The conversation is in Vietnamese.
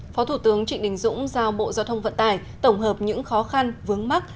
phó thủ tướng trịnh đình dũng giao bộ giao thông vận tải tổng hợp những khó khăn vướng mắt